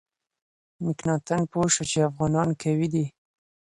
مکناتن پوه شو چې افغانان قوي دي.